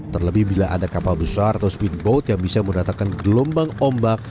terlebih bila ada kapal besar atau speedboat yang bisa meratakan gelombang ombak